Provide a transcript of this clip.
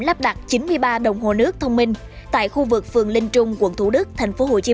bằng mặt chín mươi ba đồng hồ nước thông minh tại khu vực phường linh trung quận thủ đức thành phố hồ chí